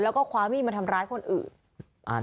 แล้วก็คว้ามีดมาทำร้ายคนอื่น